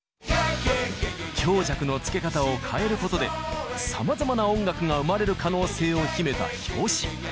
強弱のつけ方を変えることでさまざまな音楽が生まれる可能性を秘めた拍子。